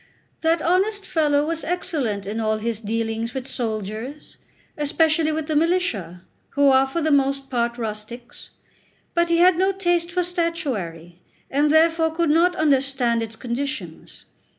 That honest fellow was excellent in all his dealings with soldiers, especially with the militia, who are for the most part rustics; but he had no taste for statuary, and therefore could not understand its conditions.